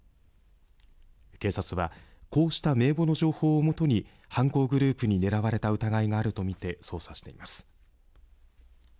警察はこうした名簿の情報を元に犯行グループに狙われた疑いがあるとみて捜査しています。